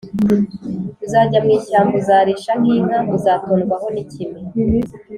Uzajya mwishyamba uzarisha nk inka uzatondwaho n ikime